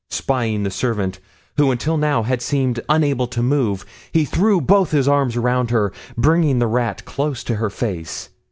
Spying the servant, who until now had seemed unable to move, he threw both arms around her, bringing the rat close to her face.